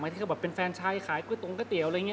ที่เขาแบบเป็นแฟนชายขายก๋วยตรงก๋วยเตี๋ยวอะไรอย่างนี้